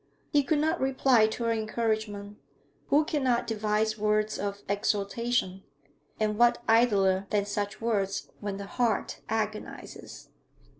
He could not reply to her encouragement; who cannot devise words of exhortation? and what idler than such words when the heart agonises?